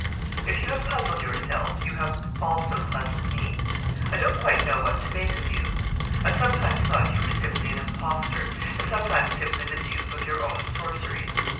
If you have puzzled yourself, you have also puzzled me. I don't quite know what to make of you. I've sometimes thought you were simply an impostor, and sometimes simply the dupe of your own sorceries.